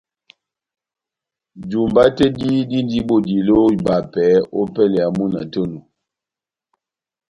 Jumba tɛ́h dí dindi bodilo ó ibapɛ ópɛlɛ ya múna tɛ́h onu